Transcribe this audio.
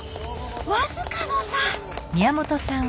僅かの差。